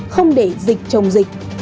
không để dịch chồng dịch